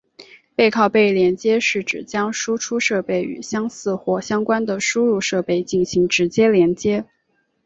背靠背连接是指将输出设备与相似或相关的输入设备进行直接连接。